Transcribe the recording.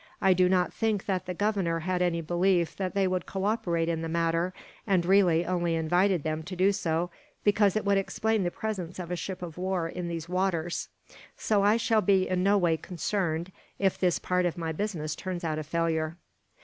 "I do not think that the Governor had any belief that they would cooperate in the matter, and really only invited them to do so because it would explain the presence of a ship of war in these waters; so I shall be in no way concerned, if this part of my business turns out a failure."